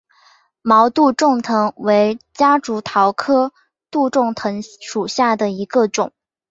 毛杜仲藤为夹竹桃科杜仲藤属下的一个种。